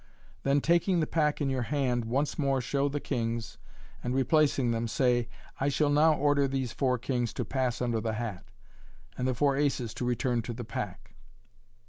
Then taking the pack in your hand, once more show the kings, and replacing them, say, " I shall now order these four kings to pass under the hat, and the four aces to return to the pack.